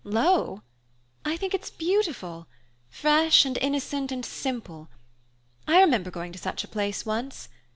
"Low? I think it's beautiful fresh and innocent and simple. I remember going to such a place once.